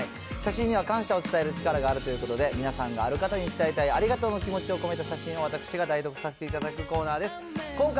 写真には感謝を伝える力があるということで、皆さんがある方に伝えたいありがとうの気持ちを込めた写真を私が代読させていただくコーナーです。